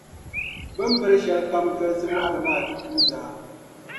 bɛ ni biri binshɛlikam dolisi mɔɣili maa ti kuui zaa.